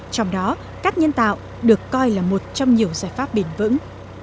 trong đó cát nhân tạo được coi là một trong nhiều giải pháp bền vững